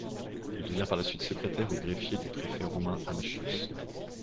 Il devint par la suite secrétaire ou greffier du préfet romain Amachius.